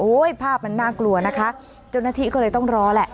ภาพมันน่ากลัวนะคะเจ้าหน้าที่ก็เลยต้องรอแหละ